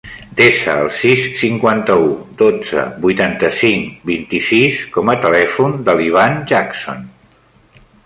Desa el sis, cinquanta-u, dotze, vuitanta-cinc, vint-i-sis com a telèfon de l'Ivan Jackson.